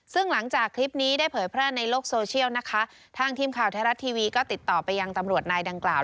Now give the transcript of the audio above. ซึ่งหลังจากคลิปนี้ได้เผยแพร่ในโลกโซเชียลนะคะทางทีมข่าวไทยรัฐทีวีก็ติดต่อไปยังตำรวจนายดังกล่าว